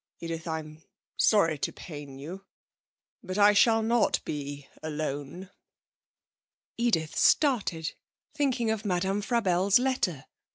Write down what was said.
'Edith, I'm sorry to pain you, but I shall not be alone.' Edith started, thinking of Madame Frabelle's letter